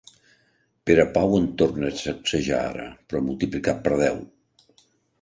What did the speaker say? Perepau em torna a sacsejar ara, però multiplicat per deu.